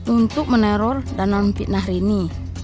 untuk meneror dan mempitnah rini